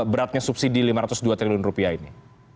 beratnya subsidi rp lima ratus dua triliun ini